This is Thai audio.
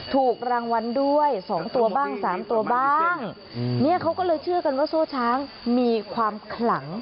ถูกรางวัลด้วยสองตัวบ้างสามตัวบ้างเนี่ยเขาก็เลยเชื่อกันว่าโซ่ช้างมีความขลัง